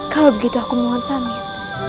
kalau begitu aku mohon panik